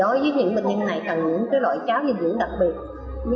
đối với những bệnh nhân này cần những loại cháo dinh dưỡng đặc biệt